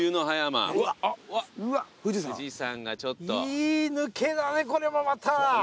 いい抜けだねこれもまた。